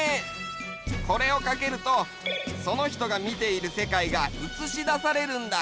これをかけるとその人が見ているせかいがうつしだされるんだ。